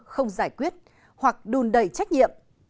không giải quyết hoặc đùn đầy trách nhiệm